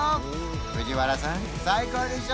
藤原さん最高でしょ？